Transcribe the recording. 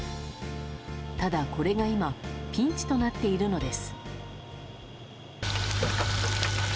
ただ、これが今ピンチとなっているのです。